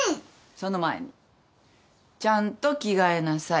その前にちゃんと着替えなさい。